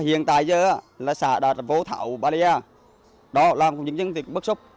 hiện tại giờ là xã đã vô thảo barrier làm những dân bức xúc